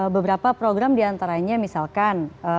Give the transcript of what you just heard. beberapa program diantaranya misalkan